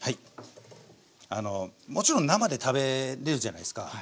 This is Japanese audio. もちろん生で食べれるじゃないすか。